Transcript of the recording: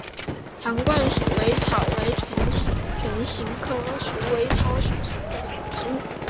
长冠鼠尾草为唇形科鼠尾草属的植物。